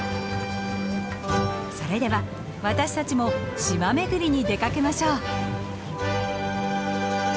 それでは私たちも島巡りに出かけましょう。